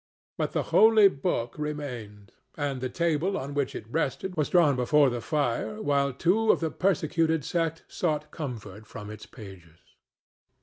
But the Holy Book remained, and the table on which it rested was drawn before the fire, while two of the persecuted sect sought comfort from its pages.